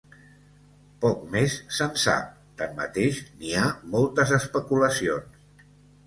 Poc més se'n sap, tanmateix, n'hi ha moltes especulacions.